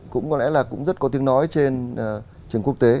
cũng có lẽ là cũng rất có tiếng nói trên trường quốc tế